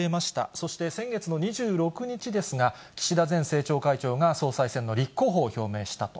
そして先月の２６日ですが、岸田前政調会長が総裁選の立候補を表明したと。